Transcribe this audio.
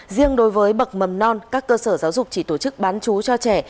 riêng đối với bậc mầm non các cơ sở giáo dục chỉ tổ chức bán chú cho trẻ